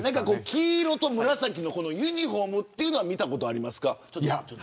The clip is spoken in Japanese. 黄色と紫のユニホームは見たことありますか。